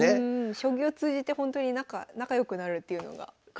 将棋を通じてほんとに仲良くなるっていうのが会社でも。